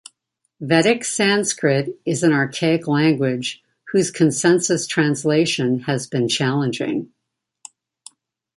Vedic Sanskrit is an archaic language, whose consensus translation has been challenging.